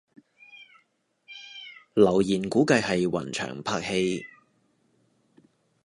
留言估計係雲翔拍戲